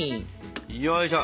よいしょ。